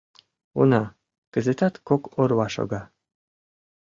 Уна, кызытат кок орва шога.